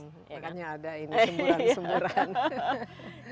makanya ada ini semburan semburan